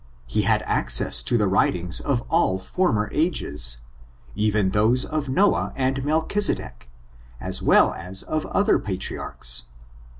He had access to the writings of all former ages, even those of Noah and Melchisedek, as well as of the other patriarchs.